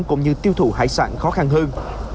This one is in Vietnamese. cũng như tiêu thụ hải sản khó khăn hơn